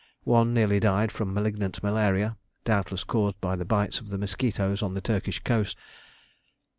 One nearly died from malignant malaria, doubtless caused by the bites of the mosquitoes on the Turkish coast.